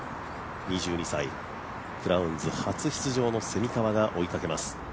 ２２歳、クラウンズ初出場の蝉川が追いかけます。